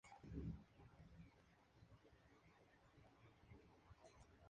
Fue conocido por poseer una importante biblioteca y pinacoteca.